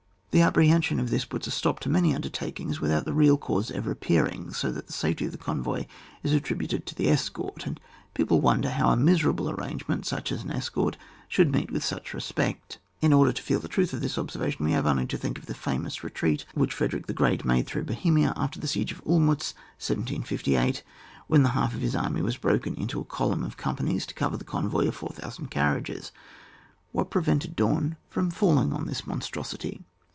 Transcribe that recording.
The apprehension of this, puts a stop to many undertakings, with out the real cause ever appearing ; so that the safety of the convoy is attri buted to the escort, and people won der how a miserable arrangement, such as an escort, should meet with such respect. In order to feel the truth of this observation, we have only to think of the famous retreat which Frederick the Gbeat made through Bohemia after the siege of 01m iitz, 1758, when the half of his army was broken into a column of companies to cover a convoy of 4,000 carriages. What prevented Daun from falling on this monstrosity